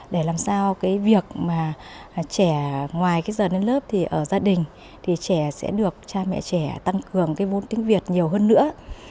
để làm sao việc trẻ ngoài giờ lên lớp ở gia đình trẻ sẽ được cha mẹ trẻ tăng cường vốn tiếng việt nhiều hơn nữa